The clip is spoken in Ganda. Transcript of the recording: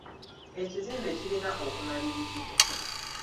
Ekizimbe kirina okumalirizibwa.